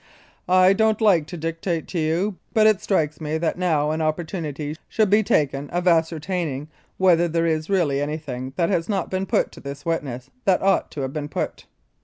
I don't like to dictate to you, but it strikes me that now an opportunity should be taken of ascertaining whether there is really anything that has not been put to this witness that ought to have been put.